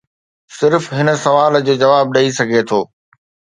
صرف هن سوال جو جواب ڏئي سگهي ٿو.